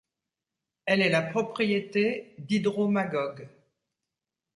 Elle est la propriété d'Hydro-Magog.